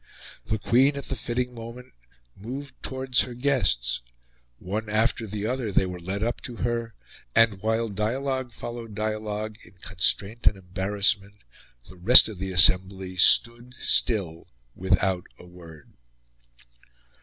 The Queen, at the fitting moment, moved towards her guests; one after the other they were led up to her; and, while dialogue followed dialogue in constraint and embarrassment, the rest of the assembly stood still, without a word.